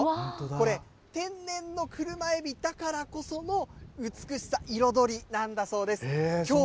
これ、天然の車えびだからこその美しさ、彩りなんだそうです。